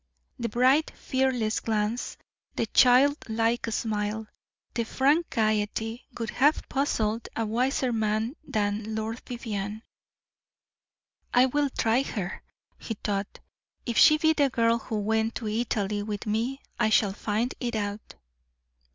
The bright, fearless glance, the child like smile, the frank gayety, would have puzzled a wiser man than Lord Vivianne. "I will try her," he thought. "If she be the girl who went to Italy with me, I shall find it out."